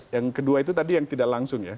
yang kedua itu tadi yang tidak langsung ya